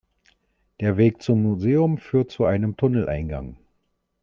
Der Weg zum Museum führt zu einem Tunneleingang.